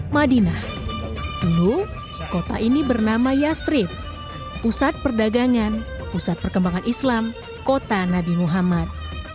madinah dulu kota ini bernama yastrip pusat perdagangan pusat perkembangan islam kota nabi muhammad